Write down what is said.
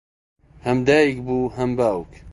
ھەم دایک بوو ھەم باوک